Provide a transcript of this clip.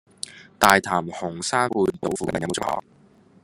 大潭紅山半島附近有無中學？